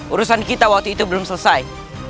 urusan kita waktu itu belum selesai